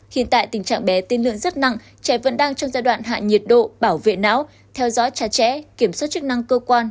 hiện tại tình trạng bé tiên lượng rất nặng trẻ vẫn đang trong giai đoạn hạ nhiệt độ bảo vệ não theo dõi chặt chẽ kiểm soát chức năng cơ quan